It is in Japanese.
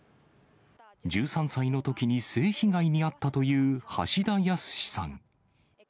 １３歳のときに性被害に遭ったという、橋田康さん。